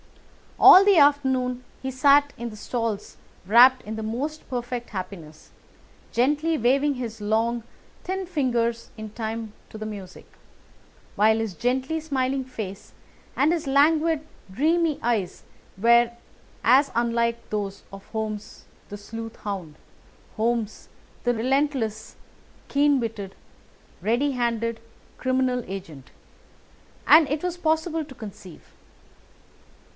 All the afternoon he sat in the stalls wrapped in the most perfect happiness, gently waving his long, thin fingers in time to the music, while his gently smiling face and his languid, dreamy eyes were as unlike those of Holmes the sleuth hound, Holmes the relentless, keen witted, ready handed criminal agent, as it was possible to conceive.